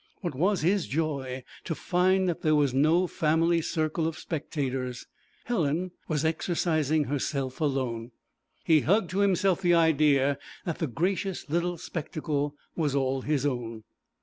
What was his joy to find that there was no family circle of spectators; Helen was exercising herself alone! He hugged to himself the idea that the gracious little spectacle was all his own.